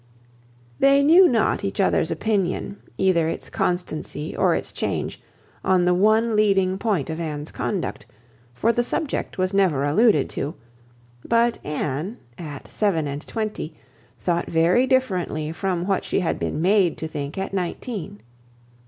They knew not each other's opinion, either its constancy or its change, on the one leading point of Anne's conduct, for the subject was never alluded to; but Anne, at seven and twenty, thought very differently from what she had been made to think at nineteen.